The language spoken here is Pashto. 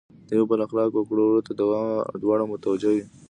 د یو بل اخلاقو او کړو وړو ته دواړه متوجه وي.